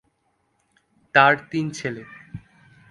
তার তিন ছেলে।